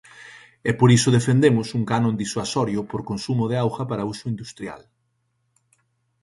E por iso defendemos un canon disuasorio por consumo de auga para uso industrial.